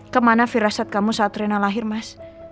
kemana firasat kamu saat rina lahir mas